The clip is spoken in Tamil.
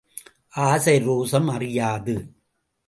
ஆசை ரோசம் அறியாது.